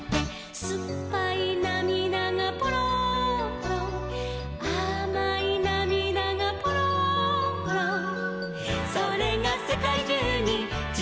「すっぱいなみだがぽろんぽろん」「あまいなみだがぽろんぽろん」「それがせかいじゅうにちらばって」